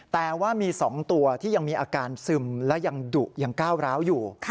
แต่ว่ามี๒ตัวที่ยังมีอาการซึมและยังดุยังก้าวร้าวอยู่